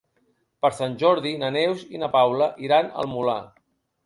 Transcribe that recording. Per Sant Jordi na Neus i na Paula iran al Molar.